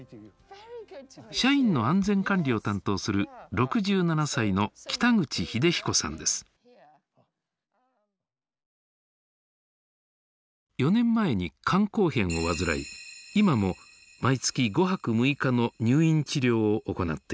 社員の安全管理を担当する４年前に肝硬変を患い今も毎月５泊６日の入院治療を行っています。